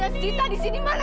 sita di sini mana